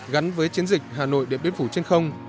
gắn với chiến dịch hà nội điện biên phủ trên không